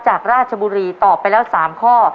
จากราชบุรีตอบไปแล้ว๓ข้อ